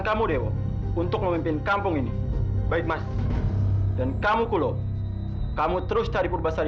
sampai jumpa di video selanjutnya